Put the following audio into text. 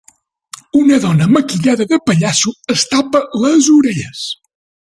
Una dona maquillada de pallasso es tapa les orelles.